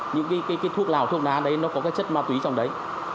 những cái thuốc lào thuốc lá đấy nó có cái chất ma túy trong đấy